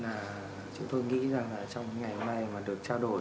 là chúng tôi nghĩ rằng là trong ngày mai mà được trao đổi